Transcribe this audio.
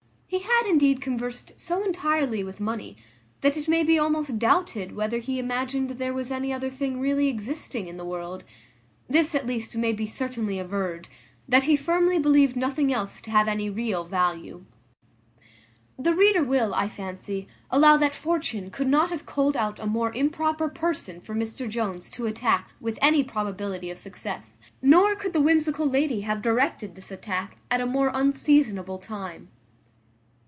He had indeed conversed so entirely with money, that it may be almost doubted whether he imagined there was any other thing really existing in the world; this at least may be certainly averred, that he firmly believed nothing else to have any real value. The reader will, I fancy, allow that Fortune could not have culled out a more improper person for Mr Jones to attack with any probability of success; nor could the whimsical lady have directed this attack at a more unseasonable time.